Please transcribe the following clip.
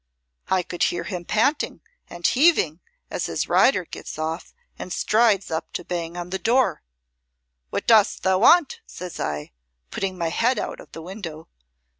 I could hear him panting and heaving as his rider gets off and strides up to bang on the door. 'What dost thou want?' says I, putting my head out of the window.